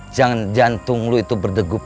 jangan jantung lu itu berdegup